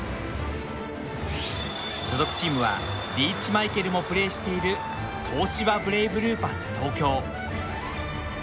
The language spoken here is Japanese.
所属チームはリーチマイケルもプレーしている東芝ブレイブルーパス東京。